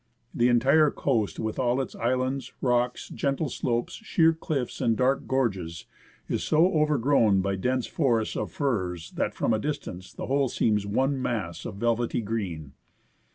The entire coast, with all its islands, rocks, gentle slopes. I\ THE CHANNELS OF THE ARCHIPELAGO. sheer cliffs, and dark gorges, is so overgrown by dense forests of firs, that, from a distance, the whole seems one mass of velvety green.